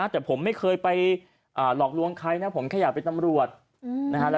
แต่ผมไม่เคยไปหลอกลวงใครนะผมแค่อยากเป็นตำรวจนะฮะ